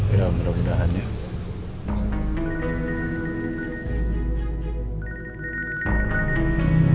ya menurut saya pak